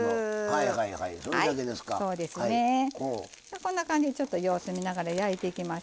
こんな感じでちょっと様子見ながら焼いていきますけどね。